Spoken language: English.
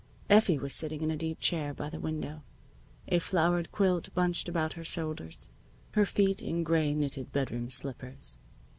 Effie was sitting in a deep chair by the window, a flowered quilt bunched about her shoulders, her feet in gray knitted bedroom slippers.